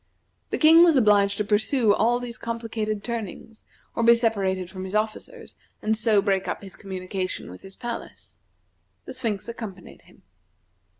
The King was obliged to pursue all these complicated turnings, or be separated from his officers, and so break up his communication with his palace. The Sphinx accompanied him.